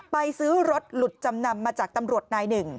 ไปซื้อรถหลุดจำนำมาจากตำรวจนายหนึ่ง